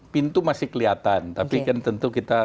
pintu masih kelihatan tapi kan tentu kita